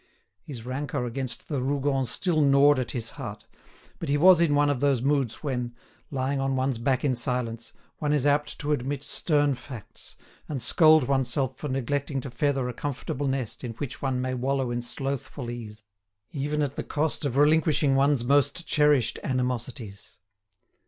His rancour against the Rougons still gnawed at his heart; but he was in one of those moods when, lying on one's back in silence, one is apt to admit stern facts, and scold oneself for neglecting to feather a comfortable nest in which one may wallow in slothful ease, even at the cost of relinquishing one's most cherished animosities.